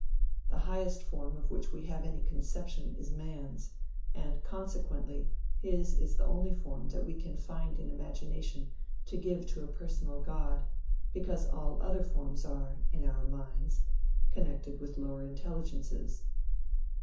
The highest form of which we have any conception is man's, and consequently, his is the only form that we can find in imagination to give to a personal God, because all other forms are, in our minds, connected with lower intelligences.